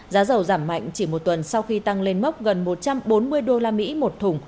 giá dầu giảm mạnh chỉ một tuần sau khi tăng lên mốc gần một trăm bốn mươi usd một thùng